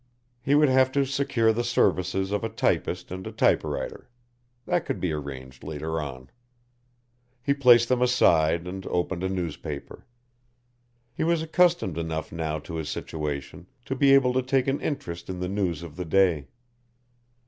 He would have to secure the services of a typist and a typewriter: that could be arranged later on. He placed them aside and opened a newspaper. He was accustomed enough now to his situation to be able to take an interest in the news of the day.